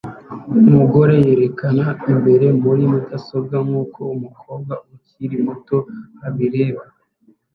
Umugore yerekana imbere muri mudasobwa nkuko umukobwa ukiri muto abireba